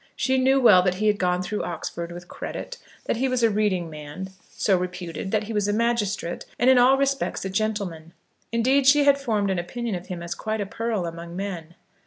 She knew well that he had gone through Oxford with credit, that he was a reading man, so reputed, that he was a magistrate, and in all respects a gentleman. Indeed, she had formed an idea of him as quite a pearl among men.